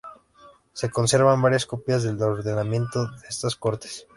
Se conservan varias copias del ordenamiento de estas Cortes.